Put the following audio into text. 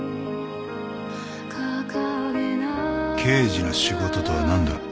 刑事の仕事とは何だ？